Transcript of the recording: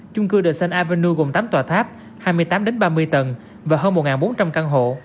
chung cư the sun avenue gồm tám tòa tháp hai mươi tám ba mươi tầng và hơn một bốn trăm linh căn hộ